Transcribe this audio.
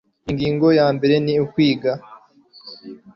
ingingo yambere ni kwiga